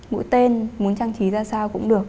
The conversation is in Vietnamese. mũi tên muốn trang trí ra sao cũng được